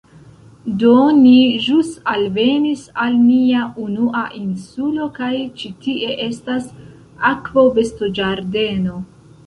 Do, ni ĵus alvenis al nia unua insulo kaj ĉi tie estas akvobestoĝardeno